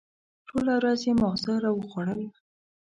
ټوله ورځ یې ماغزه را وخوړل.